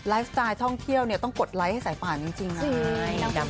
ไลฟ์สไตล์ท่องเที่ยวต้องกดไลฟ์ให้ใส่ปากจริงนะครับ